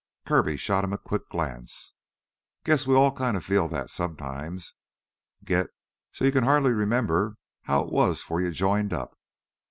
Kirby shot him a quick glance. "Guess we all kinda feel that sometimes. Gits so you can hardly remember how it was 'fore you joined up.